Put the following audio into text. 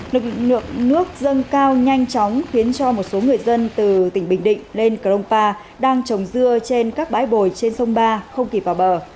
lực lượng nước dâng cao nhanh chóng khiến cho một số người dân từ tỉnh bình định lên cronpa đang trồng dưa trên các bãi bồi trên sông ba không kịp vào bờ